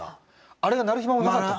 あれが鳴る暇もなかった？